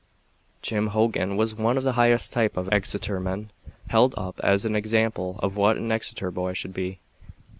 Jim Hogan was one of the highest type of Exeter men, held up as an example of what an Exeter boy should be.